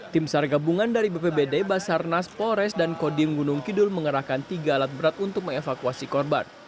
tim sar gabungan dari bpbd basarnas polres dan kodim gunung kidul mengerahkan tiga alat berat untuk mengevakuasi korban